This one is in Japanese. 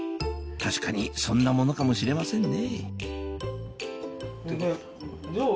確かにそんなものかもしれませんね